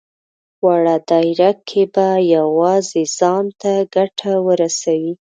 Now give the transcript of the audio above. وړه دايره کې به يوازې ځان ته ګټه ورسوي.